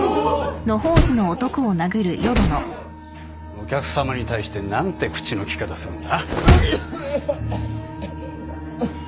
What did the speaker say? お客さまに対して何て口の利き方するんだ？